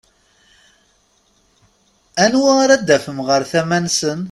Nawa ara d-afen ɣer tama-nsen?